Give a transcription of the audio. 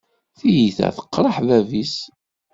Tiyita tqeṛṛeḥ bab-is.